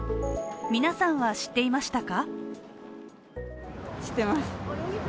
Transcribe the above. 皆さんは知っていましたか？